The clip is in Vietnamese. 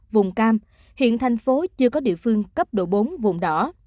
vùng cam hiện thành phố chưa có địa phương cấp độ bốn vùng đỏ